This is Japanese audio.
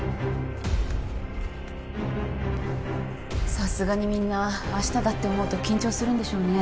さすがにみんな明日だって思うと緊張するんでしょうね